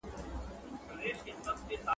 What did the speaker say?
زه په لندن کې ستا د روښانه ایندې دعا کوم.